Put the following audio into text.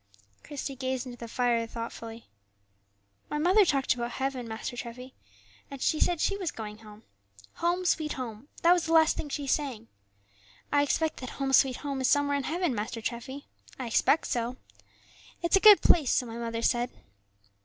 Christie gazed into the fire thoughtfully. "My mother talked about heaven, Master Treffy; and she said she was going home. 'Home, sweet home,' that was the last thing she sang. I expect that 'Home, sweet home,' is somewhere in heaven, Master Treffy; I expect so. It's a good place, so my mother said."